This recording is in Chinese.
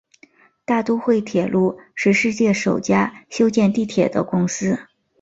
大都会铁路是世界首家修建地铁的公司。